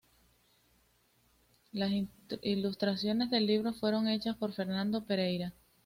Las ilustraciones del libro fueron hechas por Fernando Pereira.